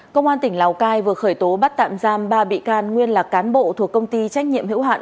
công an tỉnh lào cai vừa khởi tố bắt tạm giam ba bị can nguyên là cán bộ thuộc công ty trách nhiệm hữu hạn